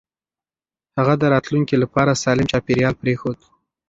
هغه د راتلونکي لپاره سالم چاپېريال پرېښود.